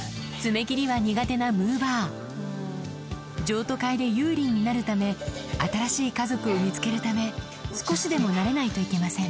なむぅばあ譲渡会で有利になるため新しい家族を見つけるため少しでも慣れないといけません